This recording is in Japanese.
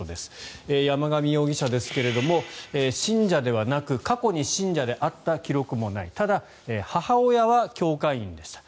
山上容疑者ですが信者ではなく過去に信者であった記録もないただ、母親は教会員でした。